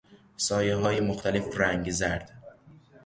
سایههای مختلف رنگ زرد